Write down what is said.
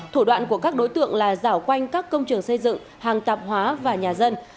thủ đoạn của các đối tượng là giảo quanh các công trường xây dựng hàng tạp hóa và nhà dân